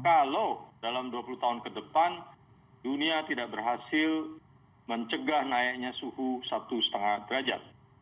kalau dalam dua puluh tahun ke depan dunia tidak berhasil mencegah naiknya suhu satu lima derajat